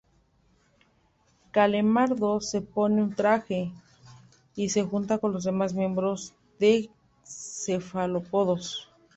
Calamardo se pone un traje, y se junta con los demás miembros de cefalópodos.